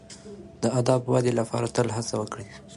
د ادب د ودي لپاره تل هڅه وکړئ.